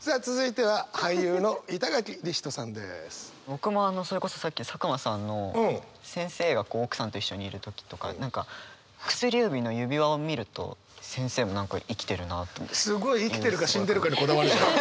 僕もそれこそさっき佐久間さんの先生が奥さんと一緒にいる時とか何か薬指の指輪を見るとすごい生きてるか死んでるかにこだわるじゃん。